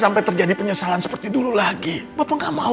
males banget gw liat mukanya